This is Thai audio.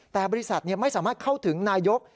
แต่บริษัทไม่สามารถเข้าถึงนายก